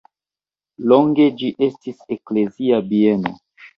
Longe ĝi estis eklezia bieno.